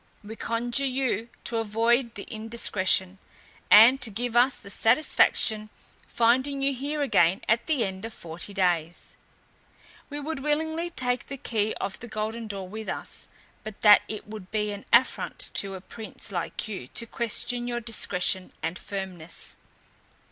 We conjure you to avoid the indiscretion, and to give us the satisfaction finding you here again at the end of forty days. We would willingly take the key of the golden door with us; but that it would be an affront to a prince like you to question your discretion and firmness."